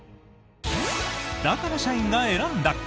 だから社員が選んだ！